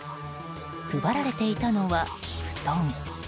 配られていたのは、布団。